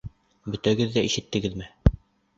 Бөтәгеҙ ҙә ишеттегеҙме?